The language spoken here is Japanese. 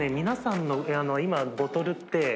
皆さんの今ボトルって。